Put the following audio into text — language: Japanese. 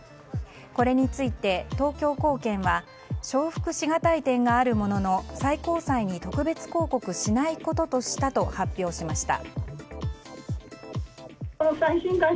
これについて東京高検は承服しがたい点があるものの最高裁に特別抗告しないこととしたと発表しました。